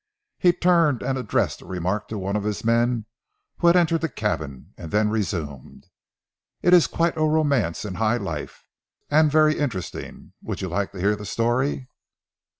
He turned and addressed a remark to one of his men who had entered the cabin, and then resumed, "It is quite a romance in high life, and very interesting. Would you like to hear the story?"